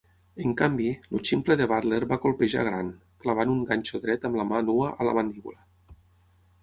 En canvi, el ximple de Butler va colpejar a Grant, clavant un ganxo dret amb la mà nua a la mandíbula.